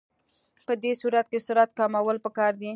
په دې صورت کې سرعت کمول پکار دي